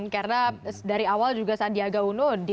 karena dari awal juga sandiaga uno di